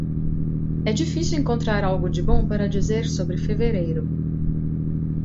É difícil encontrar algo de bom para dizer sobre fevereiro.